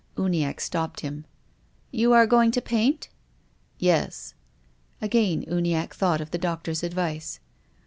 Uni acke stopped him. " Ydu are going to paint ?"" Yes. Again Uniacke thought of the doctor's advice.